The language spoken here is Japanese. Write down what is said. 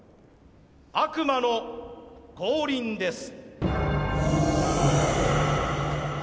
悪魔の降臨です。